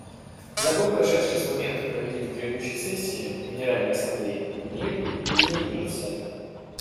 За год, прошедший с момента проведения предыдущей сессии Генеральной Ассамблеи, мир изменился.